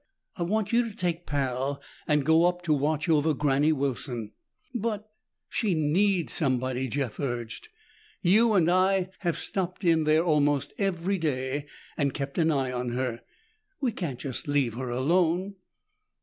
I want you to take Pal and go up to watch over Granny Wilson." "But " "She needs somebody," Jeff urged. "You and I have stopped in there almost every day and kept an eye on her. We can't just leave her alone."